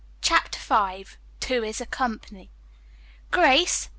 CHAPTER V TWO IS A COMPANY "Grace!